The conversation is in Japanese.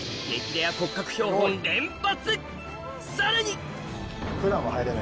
レア骨格標本連発！